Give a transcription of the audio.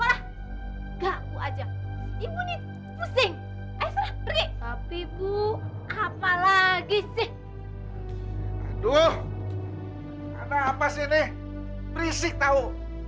aduh anak apa sih ini berisik tau